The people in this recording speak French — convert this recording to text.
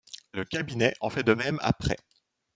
Le cabinet en fait de même après.